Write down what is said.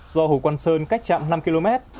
do hồ quang sơn cách trạm năm km